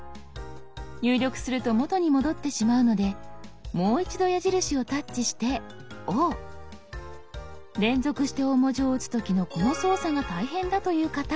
入力すると元に戻ってしまうのでもう一度矢印をタッチして「Ｏ」。連続して大文字を打つ時のこの操作が大変だという方